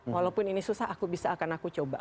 walaupun ini susah aku bisa akan aku coba